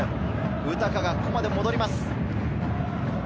ウタカがここまで戻ります。